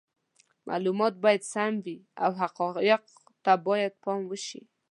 معلومات باید سم وي او حقایقو ته باید پام وشي.